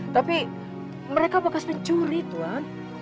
tapi mereka bekas mencuri tuan